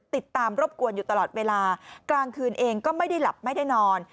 ติดตามรบกวนอยู่ตลอดเวลากลางคืนเองก็ไม่ได้หลับไม่ได้นอน